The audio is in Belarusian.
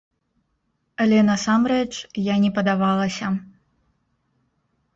Але насамрэч, я не падавалася.